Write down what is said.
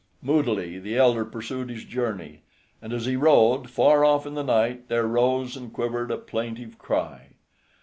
Moodily the elder pursued his journey, and as he rode, far off in the night there rose and quivered a plaintive cry.